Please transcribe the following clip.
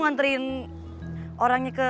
nganterin orangnya ke